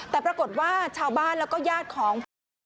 แต่ปรากฏว่าชาวบ้านแล้วก็ญาติของผู้ตาย